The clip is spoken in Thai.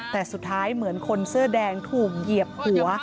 แต่สุดท้ายเหมือนคนเสื้อแดงถูกเหยียบหัว